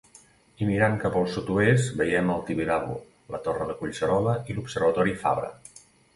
I mirant cap al sud-oest veiem el Tibidabo, la Torre de Collserola i l'Observatori Fabra.